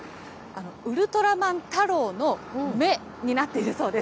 ウルトラマンタロウの目になっているそうです。